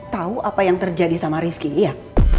tahu apa yang terjadi sama rizky iya